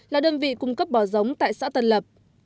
là đơn vị cung cấp bò giống tại xã tân lập